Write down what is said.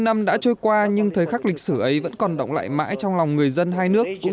bảy mươi năm đã trôi qua nhưng thời khắc lịch sử ấy vẫn còn động lại mãi trong lòng người dân hai nước cũng